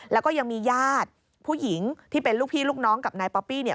แล้วก็ยังมีญาติผู้หญิงที่เป็นลูกพี่ลูกน้องกับนายป๊อปปี้เนี่ย